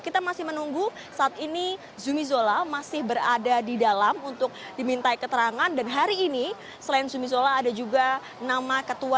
kita masih menunggu saat ini zubizola masih berada di dalam untuk diminta keterangan dan hari ini selain zubizola ada juga nama ketua